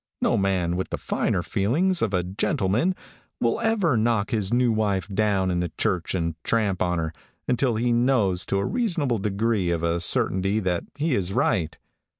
No man with the finer feelings of a gentleman will ever knock his new wife down in the church and tramp on her, until he knows to a reasonable degree of certainty that he is right.